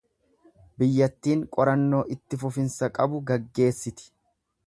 Biyyattiin qorannoo itti fufiinsa qabu gaggeessiti.